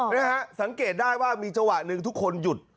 นะฮะสังเกตได้ว่ามีจังหวะหนึ่งทุกคนหยุด